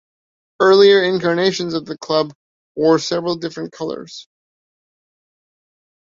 Earlier incarnations of the club wore several different colours.